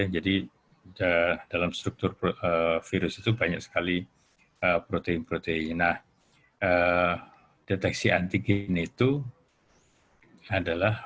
jadi dalam struktur virus itu banyak sekali protein protein nah deteksi antigen itu adalah